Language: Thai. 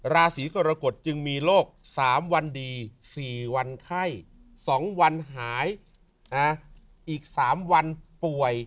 ราศีกรกฎจึงมีโรค๓วันดี๔วันไข้๒วันหายอีก๓วันป่วย